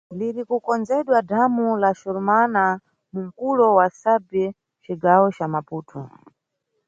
Liri kukonzedwa dhamu la Corumana, mu mkulo wa Sabie, mcigawo ca Maputo.